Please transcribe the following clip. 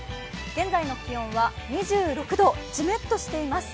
現在の気温は２６度、じめっとしています。